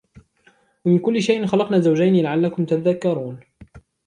ومن كل شيء خلقنا زوجين لعلكم تذكرون